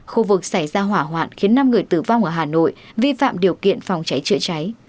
khu vực xảy ra hỏa hoạn khiến năm người tử vong ở hà nội vi phạm điều kiện phòng cháy chữa cháy